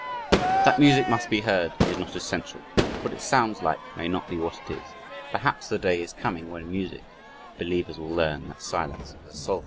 ] That music must be heard, is not essential what it sounds like may not be what it is. Perhaps the day is coming when music believers will learn "that silence is a solvent